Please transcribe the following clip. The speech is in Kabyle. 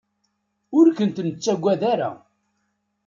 Ur kent-nettaggad ara.